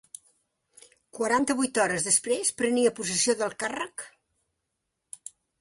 Quaranta-vuit hores després prenia possessió del càrrec.